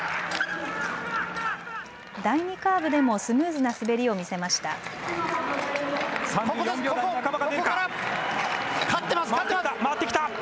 第２カーブでもスムーズな滑りを見せました。